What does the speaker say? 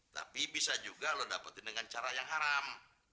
tapi bisa juga lo dapetin dengan cara yang haram